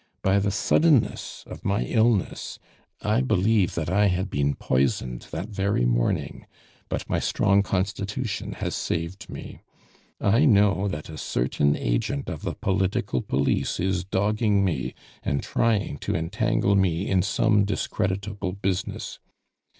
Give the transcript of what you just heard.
By the suddenness of my illness I believe that I had been poisoned that very morning, but my strong constitution has saved me. I know that a certain agent of the political police is dogging me, and trying to entangle me in some discreditable business.